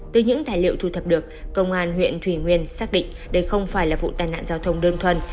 từ những tài liệu thu thập được công an huyện thủy nguyên xác định đây không phải là vụ tai nạn giao thông đơn thuần